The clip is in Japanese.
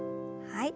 はい。